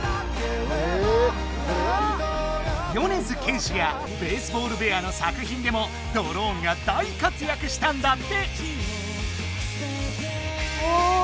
米津玄師やベースボールベアーの作品でもドローンが大活躍したんだって。